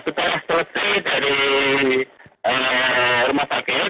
setelah selesai dari rumah sakit